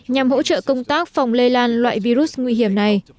nhằm hỗ trợ công tác phòng lây lan loại virus nguy hiểm này